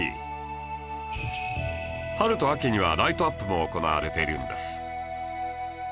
春と秋にはライトアップも行われているんです